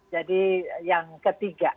jadi yang ketiga